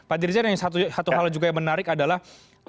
pak dirjen yang satu hal juga yang menarik adalah